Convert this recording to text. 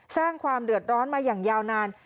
สร้างความเดือดร้อนมาอย่างยาวนาน